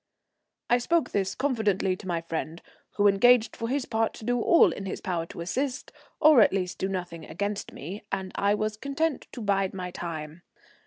I spoke this confidently to my friend, who engaged for his part to do all in his power to assist, or at least to do nothing against me, and I was content to bide my time.